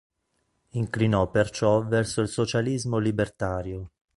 Inclinò perciò verso il socialismo libertario.